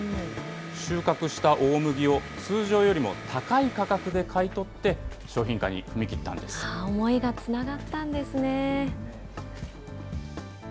収穫した大麦を、通常よりも高い価格で買い取って、思いがつながったんですね。